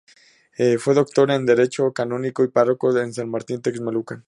Fue doctor en Derecho canónico y párroco de San Martín Texmelucan.